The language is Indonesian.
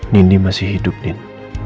nini masih hidup din